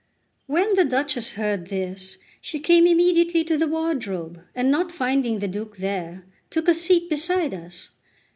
When the Duchess heard this, she came immediately to the wardrobe, and not finding the Duke there, took a seat beside us.